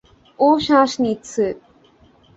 ও শ্বাস নিচ্ছে।